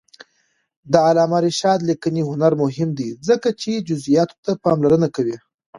د علامه رشاد لیکنی هنر مهم دی ځکه چې جزئیاتو ته پاملرنه کوي.